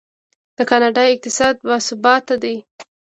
د کاناډا اقتصاد باثباته دی.